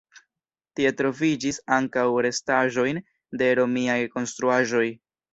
Tie troviĝis ankaŭ restaĵojn de romiaj konstruaĵoj.